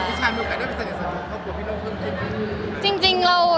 พี่ชายมีใครได้ไปสนิทสนุกข้อบกับพี่น้องพรุ่งที่มี